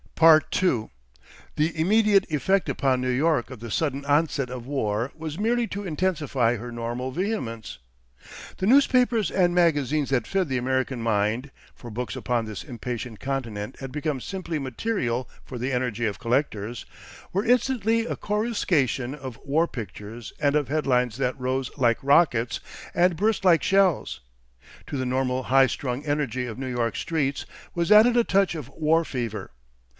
2 The immediate effect upon New York of the sudden onset of war was merely to intensify her normal vehemence. The newspapers and magazines that fed the American mind for books upon this impatient continent had become simply material for the energy of collectors were instantly a coruscation of war pictures and of headlines that rose like rockets and burst like shells. To the normal high strung energy of New York streets was added a touch of war fever.